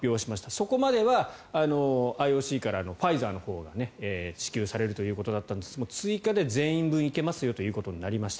そこまではＩＯＣからファイザーのほうが支給されるということだったんですが追加で全員分行けますよということになりました。